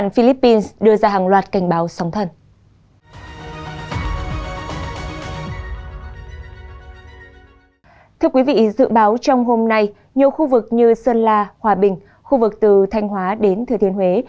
vì dự báo trong hôm nay nhiều khu vực như sơn la hòa bình khu vực từ thanh hóa đến thừa thiên huế